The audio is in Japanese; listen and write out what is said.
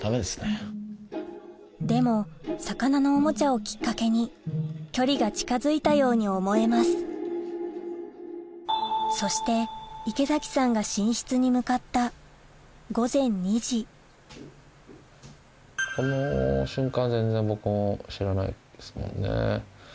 でも魚のおもちゃをきっかけに距離が近づいたように思えますそして池崎さんが寝室に向かったこの瞬間は全然僕も知らないですもんね。